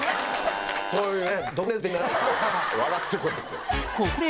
そういうね。